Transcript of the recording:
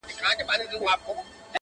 • خو دانو ته یې زړه نه سو ټینګولای ,